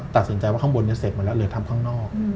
ตัดสินใจว่าข้างบนนี้เสร็จหมดแล้วเหลือทำข้างนอก